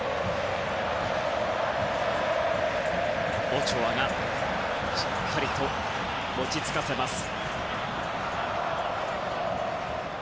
オチョアがしっかりと落ち着かせます。